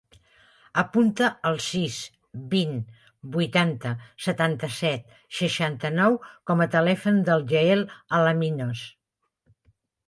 Apunta el sis, vint, vuitanta, setanta-set, seixanta-nou com a telèfon del Yael Alaminos.